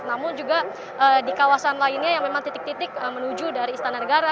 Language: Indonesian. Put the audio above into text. namun juga di kawasan lainnya yang memang titik titik menuju dari istana negara